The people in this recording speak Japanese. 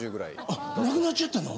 あ亡くなっちゃったの！？